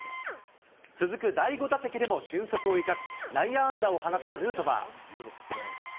続く第５打席でも俊足を生かし、内野安打を放ったヌートバー。